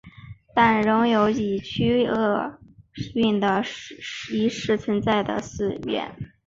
但仍有以驱除恶运的仪式存在的寺院。